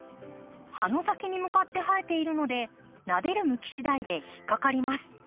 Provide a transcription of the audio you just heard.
葉の先に向かって生えているのでなでる向きしだいで引っ掛かります。